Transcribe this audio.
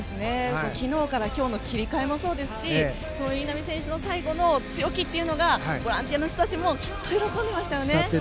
昨日から今日の切り替えもそうですし稲見選手の最後の強気というのがボランティアの人たちもきっと喜んでましたよね。